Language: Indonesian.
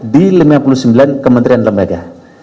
di lima puluh sembilan kementerian lembaga